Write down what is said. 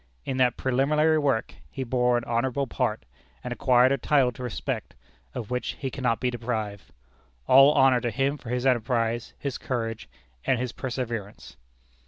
In that preliminary work, he bore an honorable part, and acquired a title to respect, of which he cannot be deprived. All honor to him for his enterprise, his courage, and his perseverance!